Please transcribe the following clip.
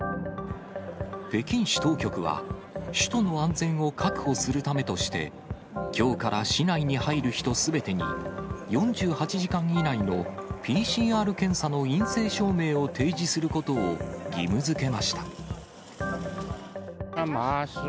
北京市当局は、首都の安全を確保するためとして、きょうから市内に入る人すべてに、４８時間以内のＰＣＲ検査の陰性証明を提示することを義務づけました。